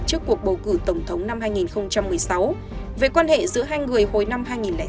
trước cuộc bầu cử tổng thống năm hai nghìn một mươi sáu về quan hệ giữa hai người hồi năm hai nghìn sáu